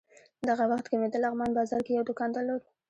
دغه وخت کې مې د لغمان بازار کې یو دوکان درلود.